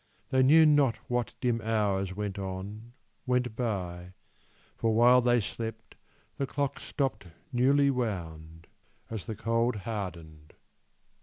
They knew not what dim hours went on, went by, For while they slept the clock stopt newly wound As the cold hardened.